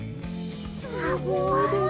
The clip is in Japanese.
すごい。